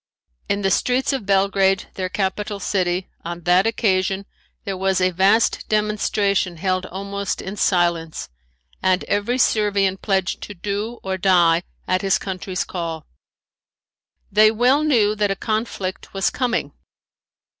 In the streets of Belgrade, their capital city, on that occasion there was a vast demonstration held almost in silence and every Servian pledged to do or die at his country's call. They well knew that a conflict was coming.